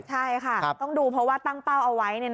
ใช่ค่ะต้องดูเพราะว่าตั้งเป้าเอาไว้